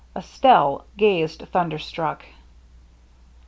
Estelle gazed, thunderstruck.